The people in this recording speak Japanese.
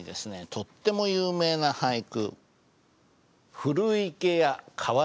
とっても有名な俳句。